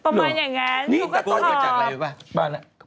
ประมาณอย่างนั้นพูดมาจากอะไรเปล่า